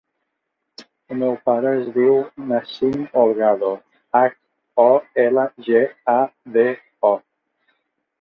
El meu pare es diu Nassim Holgado: hac, o, ela, ge, a, de, o.